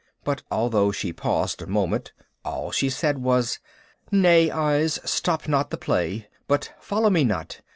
But although she paused a moment, all she said was, "Nay, Eyes, stop not the play, but follow me not!